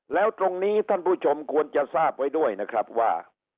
แล้วตรงนี้ท่านผู้ชมควรจะทราบไว้ด้วยนะครับว่า